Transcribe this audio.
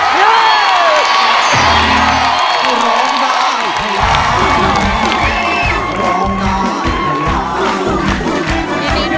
พี่สุนันอยู่กับภรรยาคนนี้มากี่ปีแล้วคะ